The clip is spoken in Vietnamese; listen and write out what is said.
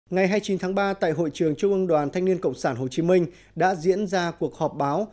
ngày hai mươi chín tháng ba tại hội trường trung ương đoàn thanh niên cộng sản hồ chí minh đã diễn ra cuộc họp báo